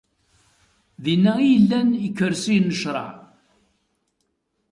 Dinna i llan ikersiyen n ccreɛ.